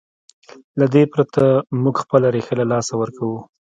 له دې پرته موږ خپله ریښه له لاسه ورکوو.